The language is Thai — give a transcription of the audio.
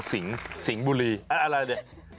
มืองสิงห์บูเรอะไรนี่